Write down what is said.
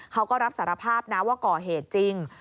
เขาก็รับสารภาพนะว่าก่อเหตุจริง